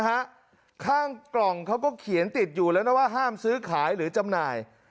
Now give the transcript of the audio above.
ข้างกล่องเขาก็เขียนติดอยู่แล้วนะว่าห้ามซื้อขายหรือจำหน่าย